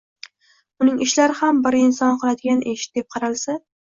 uning ishlari ham bir inson qiladigan ish, deb qaralsa